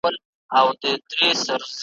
د لیندۍ په شانی غبرگی په گلونو دی پوښلی ,